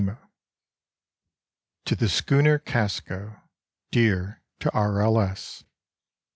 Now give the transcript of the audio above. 59 TO THE SCHOONER CASCO DEAR TO R. L. S.